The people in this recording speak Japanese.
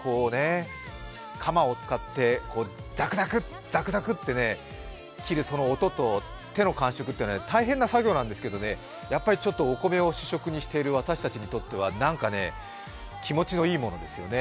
かまを使って、ザクザク、ザクザクと切る音と手の感触というのは大変な作業なんですけどね、やっぱりお米を主食にしている私たちにとって気持ちのいいものですよね。